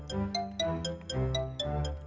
di depan ada gajah